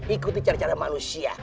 ikuti cara cara manusia